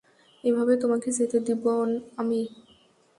এভাবে তোমাকে যেতে দিবো আমি।